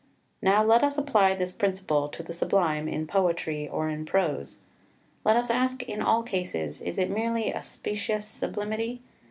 Now let us apply this principle to the Sublime in poetry or in prose; let us ask in all cases, is it merely a specious sublimity?